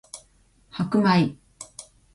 白米